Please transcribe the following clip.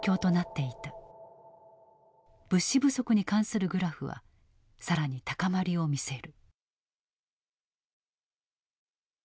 物資不足に関するグラフは更に高まりを見せる。